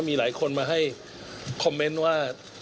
มีหลายคนมาให้คอมเมนต์ว่า